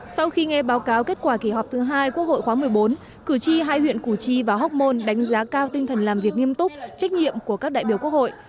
sau khi nghe báo cáo kết quả kỳ họp thứ hai quốc hội khóa một mươi bốn cử tri hai huyện củ chi và hóc môn đánh giá cao tinh thần làm việc nghiêm túc trách nhiệm của các đại biểu quốc hội